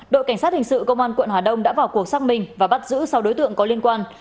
đội cảnh sát hình sự công an quận hà đông đã vào cuộc xác minh và bắt giữ sáu đối tượng có liên quan